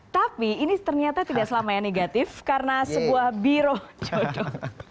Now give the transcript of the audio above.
tapi ini ternyata tidak selamanya negatif karena sebuah biro jodoh